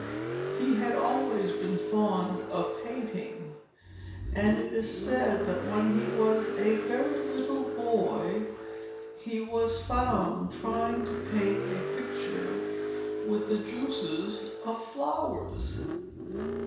He had always been fond of painting, and it is said that when he was a very little boy he was found trying to paint a picture with the juices of flowers.